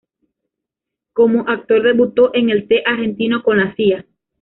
Como actor debutó en el T. Argentino, con la cía.